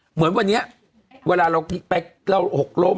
เหมือนวันนี้เวลาเราไปเราหกล้ม